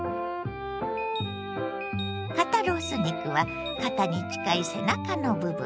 肩ロース肉は肩に近い背中の部分。